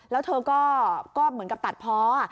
แล้วเธอก็เหมือนกับตัดเพาะ